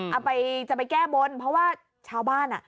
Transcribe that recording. เอาไปจะไปแก้บนเพราะว่าชาวบ้านอ่ะ